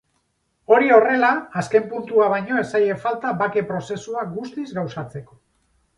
Hori horrela, azken puntua baino ez zaie falta bake-prozesua guztiz gauzatzeko.